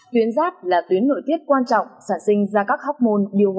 tuyến giáp là tuyến nội tiết quan trọng sản sinh ra các hóc môn điều